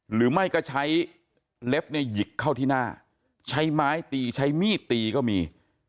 หรือไม่ก็ใช้เล็บเนี่ยหยิกเข้าที่หน้าใช้ไม้ตีใช้มีดตีก็มี